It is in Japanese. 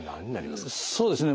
そうですね